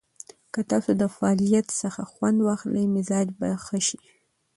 که تاسو د فعالیت څخه خوند واخلئ، مزاج به ښه شي.